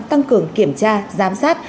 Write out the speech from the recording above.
tăng cường kiểm tra giám sát